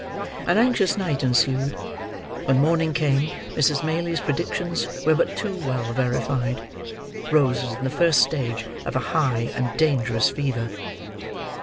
An anxious night ensued. When morning came, Mrs. Maylie's predictions were but too well verified. Rose was in the first stage of a high and dangerous fever.